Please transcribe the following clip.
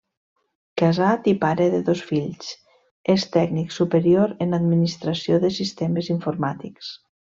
Casat i pare de dos fills, és tècnic superior en Administració de sistemes informàtics.